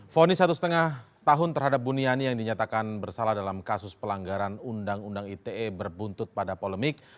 fonis satu lima tahun terhadap buniani yang dinyatakan bersalah dalam kasus pelanggaran undang undang ite berbuntut pada polemik